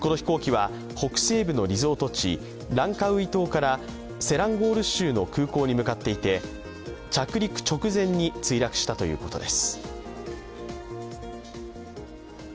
この飛行機は北西部のリゾート地ランカウイ島からセランゴール州の空港に向かっていて着陸直前に墜落したということです。